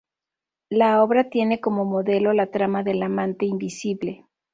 La obra tiene como modelo la trama de la amante invisible.